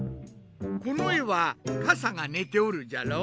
このえは傘が寝ておるじゃろ。